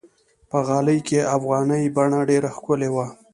په غالۍ کې افغاني بڼه ډېره ښکلي وي.